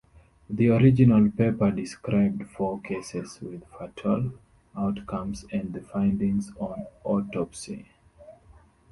The original paper described four cases with fatal outcomes, and the findings on autopsy.